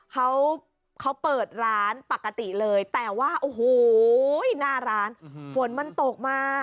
เขาเขาเปิดร้านปกติเลยแต่ว่าโอ้โหหน้าร้านฝนมันตกมา